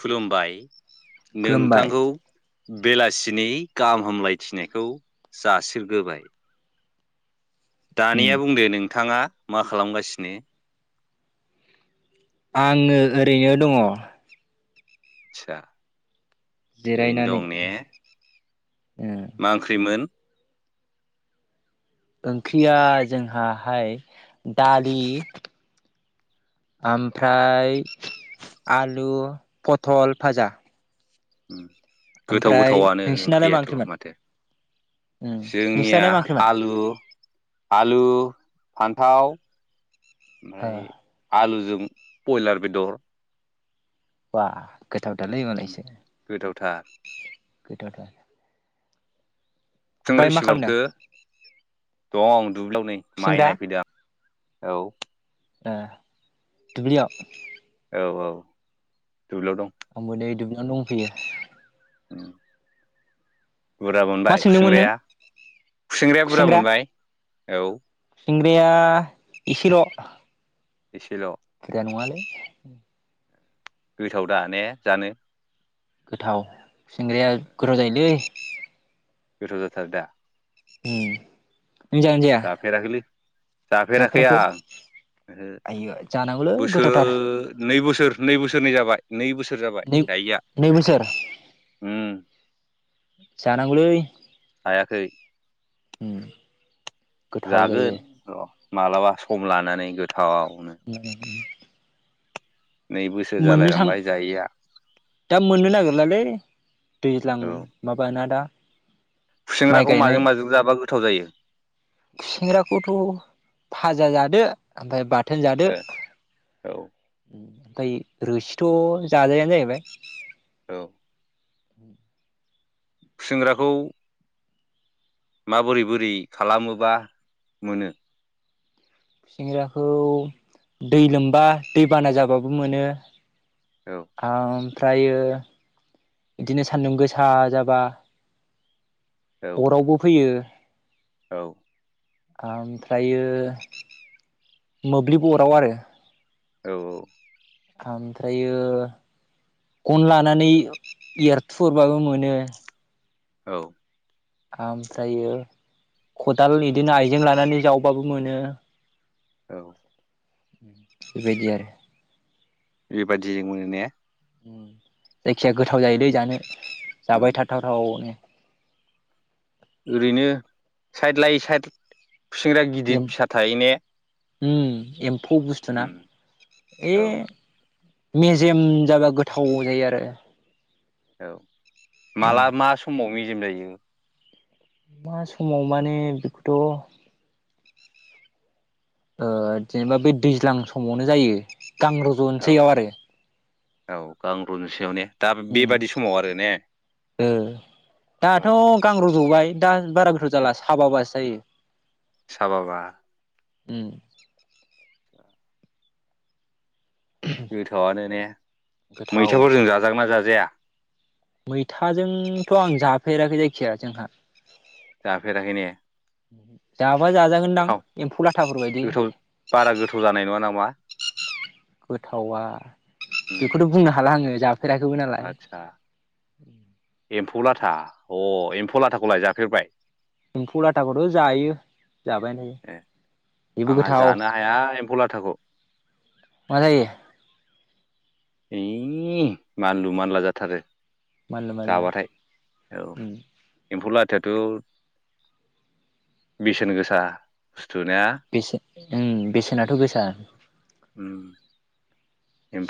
खुलुमबाय खुलुमबाय नोंथांखौ। बेलासिनि गाहाम हामलायथिनायखौ जासिग्रोबाय। उम दानिया बुंदो नोंथाङा मा खालामगासिनो? आङो ओरैनो दङ। आदसा ओरैनो जिरायनानै दं ने उम मा ओंख्रिमोन ओंख्रिया जोंहाहाय दालि आमफ्राय आलु पथल भाजा उम गोथाव ओमफ्राय गोथावानो नोंसिनालाय मा ओंख्रियाथ ओंख्रिमोन माथो उम जोंनिया नोंसिनालाय मा ओंख्रिमोन आलु आलु फान्थाव ओ ओमफ्राय आलुजों बयलार बेदर बा गोथावथालै मोनालायसो गोथावथार गोथावथा थोंग्रा बेसेबांथो दं दुब्लियाव नै माइ खुसेंग्रा नायफैदो आं औ ए दुब्लियाव औ औ दुब्लियाव दं आंबो दै दुब्लियाव दंफैयो उ बुरजा मा मोनबाय सोंदोंमोन नों खुसेंग्राया खुसिंग्राया बुरजा मोनबाय औ सिंग्राया इसेल' एसेल नङालै गोथाव दा ने जानो गोथाव सिंग्राया गोथाव जायोलै गोथाव जाथारो दा उम नों जागोना जाया जाफेराखैलै जाफेराखै आं ओहो आइयो जानांगौलै बोसोर गोथावथार नै बोसोर नै बोस बोसोरनै जाबाय नै बोसोर जाबाय नै जायैया नै उम जानांगलै हायाखै उम गोथाव जायो जागोन र' मालाबा सम लानानै गोथ उम दु बोसोर जालाय लांबाय जायैआ दा मोननो नागिरलालै दैज्लां औ माबाना दा माइ खुसेंग्राखौ गायनाय माजों माजों जाबा गोथाव जायो सिंग्राखौथ फा फाजा जादो ओमफ्राय बाथोन जादो ओ ओमफ्राय रोसिथ' जाजाया जाहैबाय। औ। [inaudible] खुसेंग्राखौ माबोरै बोरै खालामोबा मोनो? खुसेंग्राखौ दै लोमबा दै बाना जाबाबो मोनो। औ आंं। ओमफ्रायो बिदिनो सान्दुं गोसा जाबा औ अरावबो फैयो। औ। आमफ्रायो मोब्लिब अराव आरो। औ औ। आमफ्रायो गन लानानै एरथुहरबाबो मोनो। औ। आमफ्रायो खदाल बिदिनो आइजें लानानै जावबाबो मोनो। औ। बेबायदि आरो। बेबादिजों मोनो ने? उम जायखिया गोथाव जायोदै जानो उम जाबाय थाथाव थावनो। ओरैनो साइद लायै साइद खुसेंग्राया गिदिर फिसा थायो ने? ओ एम्फौ बुस्थु ना उम ए। औ मेजेम जाबा गोथाव जायो आरो। औ माला मा समाव मेजेम जायो? मा समाव माने बेखौथ' ओ। जेनेबा बेै दैज्लां समावनो जायो गां औ रज'नोसैयाव आरो औ गां रुनसेयाव ने? दा उम बेबादि समाव आरो ने और औ दाथ' गां रजबाय। दा बारा गोथाव जाला साबा बासो जायो था साबाबा। उ। गोथावानो ने गोथाव मैथाफोरजों जाजागोन ना जाजाया? मैथाजोंथ' आं जाफेराखै जायखिया जोंहा। जाफेराखै ने? जाबा जाजागोनदां थाव एम्फौ लाथाफोरबायायदि। गोथाव बारा गोथाव जानाय नङा नामा गोथावा उम बेखौथ' बुंनो हाला आङो। फेराखैबो नालाय। आदसा एम्फौ लाथा अ एम्फौ लाथाखौलाय जाफेरबाय? एम्फौ लाथाखौथ' जायो। जाबायानो थायो। ए बेबो आंहा गोथाव। जानो हाया एम्फौ लाथाखौ मा जायो? ओम मानलु-मानला जाथारो। मानला मानला जाबाथाय औ उम एम्फौ ला थाथ' बेसेन गोसा। ना बेसे बेसेनाथ' गोसा उम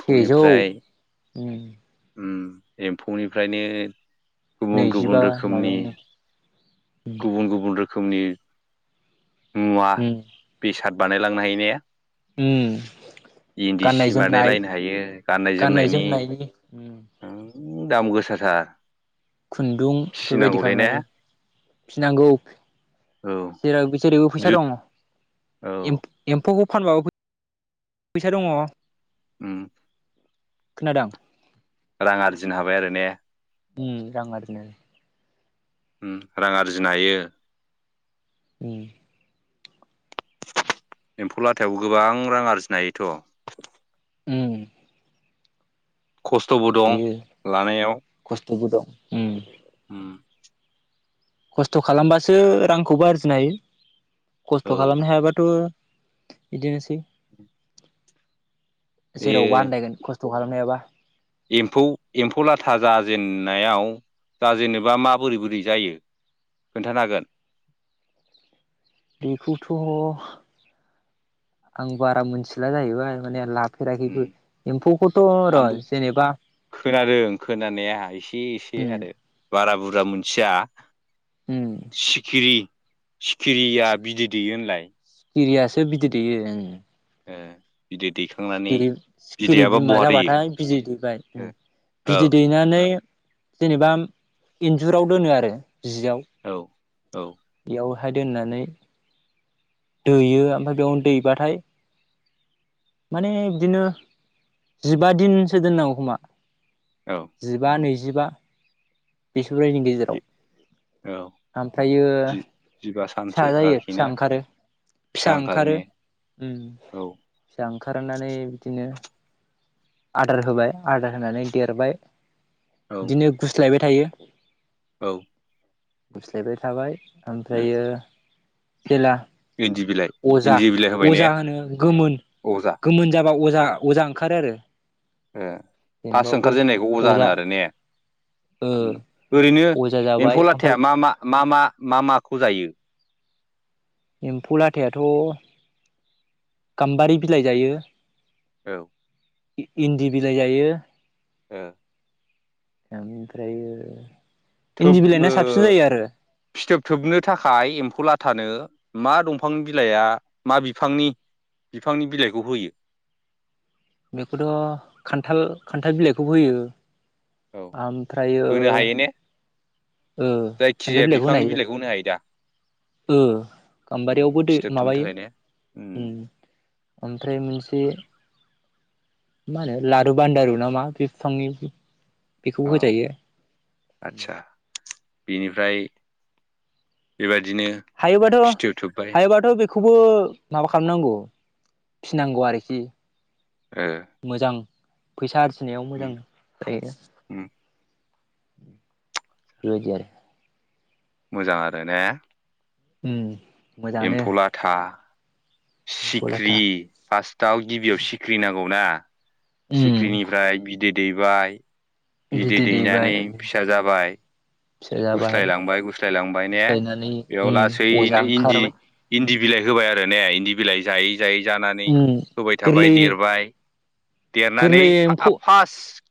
सेजौ उम। ओम एम्फौनिफ्रायनो गुबुन नैजिबा गुबुन रोखोमनि माबायावनो उम गुबुन गुबुन रोखोमनि उम मुवा-बेसाद बानायलांनो हायो ने? उम इन्दि गाननाय सि जोमनाय बानायलायनो हायो गाननाय जोमनायनि ओ दाम गोसाथा खुन्दुं बेफोरबायदि खालामनो हायो फिनांगौ औ जेराव जेरैबो फैसा जुद दङ औ एम्फौ एम्फ [unintelligible] फानबाबो फै फैसा दङ उम खोनादों? रां आरजिनो हाबाय आरो ने? उ रां आरजिनो उम रां आरजिनो हायो। उम एम्फौ लाथायाव गोबां रां आरजिनो हायोथ उम खस्थ'बो दं बेयो लानायाव खस्थ'बो दं उम खस्थ' खालामबासो रांखौबो आरजिनो हायो औ खस्थ' खालामनो हायाबाथ' बिदिनोसै बे जेरावबो आनदयगोन खस थ खालामनो हायाबा। एम्फौ एम्फौ लाथा जाजेननायाव दा जेनेबा मा बोरै बोरै जायो खोन्थानो हागोन? बेखौथ' आं बारा मोनथिला जाहैबाय माने लाब उम फेराखैबो एम्फौखौथ' र' आंबो जेनेबा खोनादों खोनानाया एसे एसे उम आरो बारा बुरजा मोनथिया उम सिखिरि सिखिरिया बिदै दैयो होनलाय? खिरियासो बिदै दैयो ओं ए बिदि दै सिखिरि सिखिरि बिमा जाबाथाय बिजि दैबाय उम औ बिजि औ दैनानै जेनेबा इन्जुराव दोनो आरो जियाव औ बेयाव हाय दोननानै दैयो ओमफ्राय बेयावनो दैबाथाय माने बिदिनो जिबा दिनसो दोननांगौ खोमा औ जिबा नैजिबा [unintelligible] गेजेराव औ ओमफ्रायो जि जिबा फिसा सानसो जायो आरोखि फिसा ना ओंखारो। फिसा ओंखारो उम औ फिसा ओंखारनानै बिदिनो आदार होबाय आदार होनानै देरबाय औ बिदिनो गुस्लायबाय थायो औ बुस्लायबाय थाबाय ओमफ्रायो जेला इन्दि बिलाइ अजा इन्दि बिलाइ होबाय ने अजा होनो गोमोन अजा गोमोन जाबाय बा अजा अजा ओंखारो आरो ओ फास जेनेबा बे ओंखारजेननायखौ अजा होनो आरो ने ओ ओरैनो अजा जाबाय एम्फौ लाथाया ओमफ्राय मा मा मा मा मा माखौ जायो? एम्फौ लाथायाथ' गाम्बारि बिलाइ जायो। औ इन्दि बिलाइ जायो ओ आमफ्रायो थोब ओ फिथोब थोबनो थाखाय एम्फौ ला थानो मा दंफांनि बिलाइआ मा बिफांनि बिफांनि बिलाइखौ होयो? [inaudible] बेखौथ' खान्थाल खान्थाल बिलाइखौ होयो औ आमफ्रायो होनो हायो ने ओ खोनथो जायखिजाया बिलाइखौ बिफांनि होनाय होनो हायो दा ओ उम गाम्बारियावबो दै फिथोब थोबनो माबायो थाखाय ने उम। ओमफ्राय मोनसे मा होनो लारु बान्दारु ना मा बे बिफांनि औ बेखौबो जायो। बिनिफ्राय बेबायदि हायोबाथ' हायोबाथ' बेखौबो माबा खालामनांगौ। फिनांगौ आरोखि ओ मोजां फैसा आरजिनायाव मोजां उम जायो उम बेबायदि आरो। मोजां आरो ने। उम मोजाङानो एम्फौ लाथा। एम्फौ लाथा सिख्रि फार्स्टआव गिबियाव सिख्रि नांगौना। उम सिख्रिनिफ्राय बिदै दैबाय, बिदै दैनानै फिसा जाबाय, जाबाय गुस्लाय लांबाय गुस्लाय लांबाय ने फिस्लायनानै बेयाव उम अजा लासैनो इन्दि ओंखारबाय इन्दि बिलाइ होबाय आरो ने इन्दि बिलाइ जायै जायै जानानै उम होबाय थाबाय गोरलै देरबाय देरनानै गोरलै एम्फौ फार्स्ट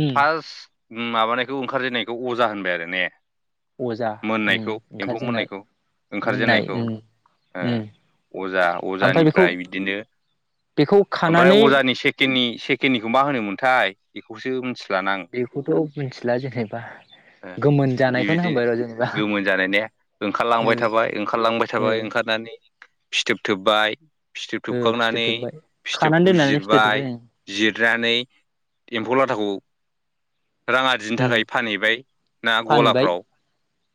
उम फार्स्ट माबानायखौ ओंखारजेननायखौ अजा होनबाय आरो ने। अजा उम मोननायखौ एम्फौ ओंखारजेननाय मोननायखौ मोननाय ओंखारजेनायखौ। उम उम अजा ओमफ्राय बेखौ अजानिफ्राय बिदिनो बेखौ ओमफ्राय खानानै अजानि सेकेडनि सेकेडनिखौ मा होनोमोनथाय बेखौसो मिथि‌ बेखौथ' मिथिला जेनेबा। गोमोन जानायखौनो बेबायदि होनबाय र' जेनेबा गोमोन जानायनै ओ ओंखारलांबाय थाबाय ओंखारलांबाय ओ थाबाय ओंखार नानै फिथोब थोबबाय। फिथोब ओ फिथोब थोबखांनानै थोबबाय खानानै फिथोबखौ दोननानै फिथोब जिरबाय थोबबाय ओं जिरनानै एम्फौ लाथाखौ रां आरजिननो उम थाखाय फानहैबाय ना फानबाय गलाफ्राव।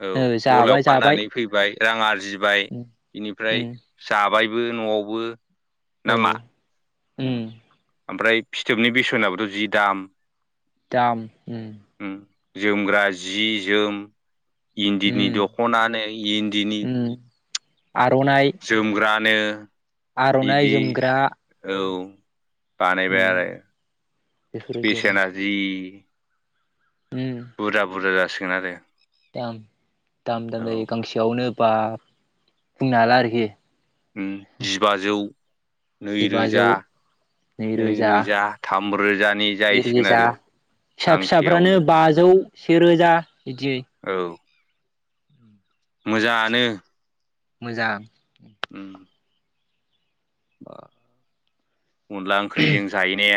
औ ओ गलायाव जाबाय जाबाय फाननानै फैबाय रां आरजिबाय उम बेनिफ्राय उम जाबाय। बेयावबो न'आवबो। ना मा औ। ओमफ्राय फिथोबनि बेसनाबोथ' जि दाम। दाम ओ। जोमग्रा जि जोम इन्दिनि उम दखनानो इन्दिनि। उम आर'नाइ जोमग्रानो। आर'नाइ बिदि जोमग्रा औ उम बानायबाय आरो। बेफोरबायदि बेसेना आरो जि। उम बुरजा बुरजा जासिगोन आरो। दाम दाम दाम औ जायो गांसेयावनो बा बुंनो हाला आरोखि। जिबाजौ जिबाजौ नैरोजा नैरोजा थामरोजानि जाहैसिगोन सेेरोजा आरो। फिसा फिसाफ्रानो गांसेयावनो बाजौ सेेरोजा बिदियै औ मोजाङानो। मोजां। उम अनला ओंख्रिजों जायो ने।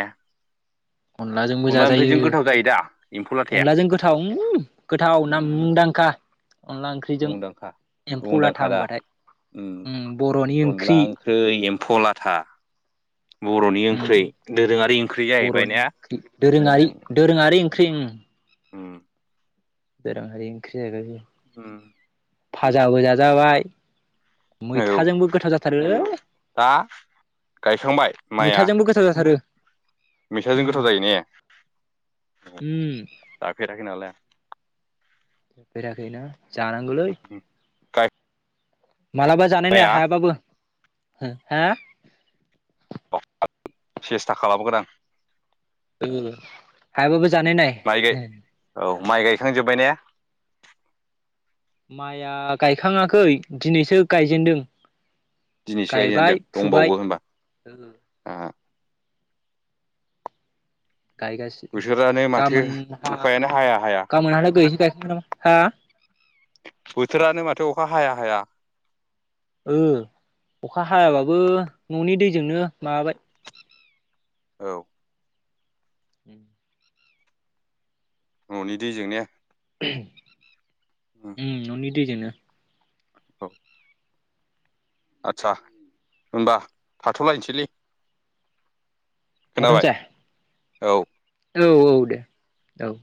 अनलाजोंबो जाजायो। गोथाव जायो दा एम्फौ लाथाया अनलाजों गोथाव गोथाव उम मुंदांखा। अनला ओंख्रिजों मुंदांखा एम्फौ लाथा मुंदांखा दा होनबाथाय उम अनला ओंख्रि एम्फौ लाथा। बर'नि उम ओंख्रि दोरोङारि ओंख्रि जाहैबाय बर'नि ने ओंख्रि दोरोङारि उम दोरोङारि ओंख्रि। उम दोरोंआरि ओंख्रि जाहैबाय बियो होम फाजाबो जाजाबाय औ मैथाजोंबो गोथाव जाथारो दा गायखांबाय माइआ मैथाजोंबो गोथाव जाथारो मैथाजों उम गोथाव जायो ने उम जाफेराखै नालाय जाफेराखै ना जानांगौलै [inaudible] मालाबा जानाय नाय गायखांबाया हायाबाबो हा सेस्था खालामगोन आं औ हायाबाबो जानाय नाय माइ गाय औ माइ गायखांजोब्बाय ने माइआ गायखाङाखै दिनैसो गायजेनदों दिनैसो गायजेनदों गायबाय फुबाय दंबावो होनबा आंहा गायगासिनो बोथोरानो माथो गाबोनहा अखायानो हाया हाया गामोनहालागैसो गाखांगोन नामा हा बोथोरानो माथो अखा हाया हाया ओ अखा औ हायाबाबो न'नि दैजोंनो माबाबाय औ उम न'नि दैजों ने [inaudible] उम दै जोंनो औ आतसा होनोमबा थाथ'लायसैलै थाथनोसै औ औ औ दे औ